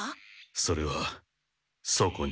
それはそこに。